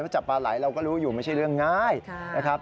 จับปลาไหลเราก็รู้อยู่ไม่ใช่เรื่องง่ายนะครับ